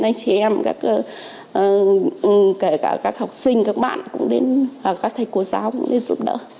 anh chị em các học sinh các bạn các thầy của giáo cũng đến giúp đỡ